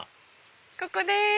ここです！